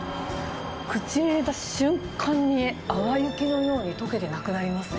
口に入れた瞬間に、淡雪のようにとけてなくなりますね。